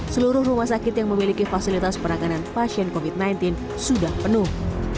seluruh rumah sakit yang memiliki fasilitas peranganan pasien covid sembilan belas sudah penuh